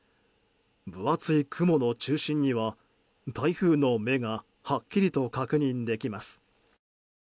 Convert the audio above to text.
分厚い雲の中心には、台風の目がはっきりと確認できます。